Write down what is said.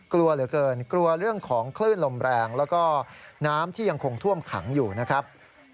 กลัวเหลือเกินกลัวเรื่องของคลื่นลมแรงแล้วก็น้ำที่ยังคงท่วมขังอยู่นะครับ